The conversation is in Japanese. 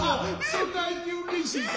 そないに嬉しいか。